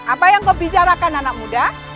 apa yang kau bicarakan anak muda